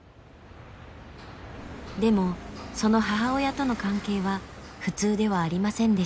でもその母親との関係は普通ではありませんでした。